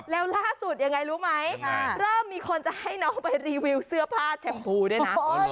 แล้วล่าสุดยังไงรู้ไหมเริ่มมีคนจะให้น้องไปรีวิวเสื้อผ้าแชมพูด้วยนะ